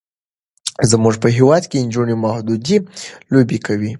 زمونږ په هیواد کې نجونې محدودې لوبې کوي.